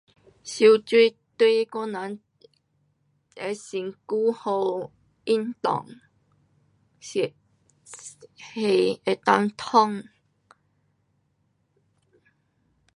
游泳对我人的身躯好，运动，血，血能够通。